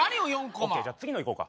オーケーじゃあ次のいこうか。